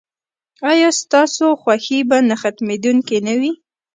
ایا ستاسو خوښي به نه ختمیدونکې نه وي؟